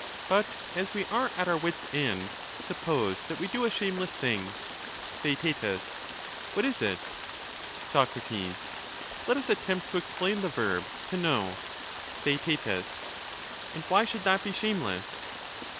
But, as we are at our wits' end, suppose that we do a shame less thing ? Theaet. What is it? Sac. Let us attempt to explain the verb 'to know.' As a last re Theaet. And why should that be shameless